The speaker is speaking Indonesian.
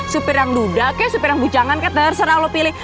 supir yang duda kek supir yang bujangan kek terserah lo pilih